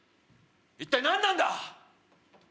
一体何なんだ！